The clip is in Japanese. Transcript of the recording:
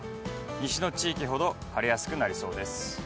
西の地域ほど晴れやすくなりそうです。